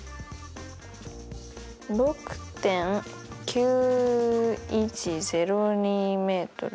６．９１０２ｍ。